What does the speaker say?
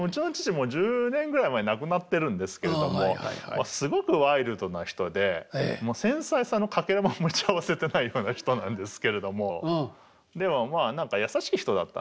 もう１０年ぐらい前に亡くなってるんですけれどもすごくワイルドな人で繊細さのかけらも持ち合わせてないような人なんですけれどもでもまあ優しい人だったんですよね。